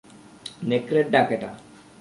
নেকড়ের ডাক এটা।